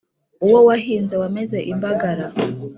uwo wahinze wameze imbagara